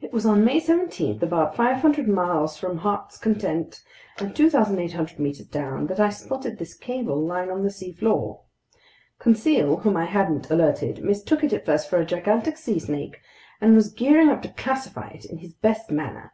It was on May 17, about 500 miles from Heart's Content and 2,800 meters down, that I spotted this cable lying on the seafloor. Conseil, whom I hadn't alerted, mistook it at first for a gigantic sea snake and was gearing up to classify it in his best manner.